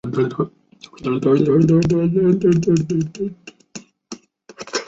棒状毛毡苔粉的化石花粉发现于台湾的中新世构成物。